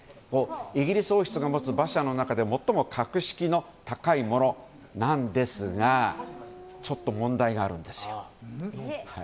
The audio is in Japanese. イギリス王室が持つ馬車の中で最も格式の高いものなんですがちょっと問題があるんですよ。